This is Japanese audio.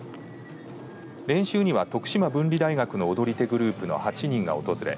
練習には、徳島文理大学の踊り手グループの８人が訪れ